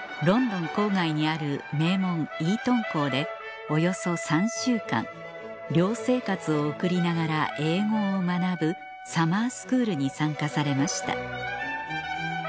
ロンドン郊外にある名門イートン校でおよそ３週間寮生活を送りながら英語を学ぶサマースクールに参加されました